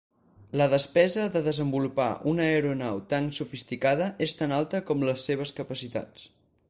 La despesa de desenvolupar una aeronau tan sofisticada és tan alta com les seves capacitats.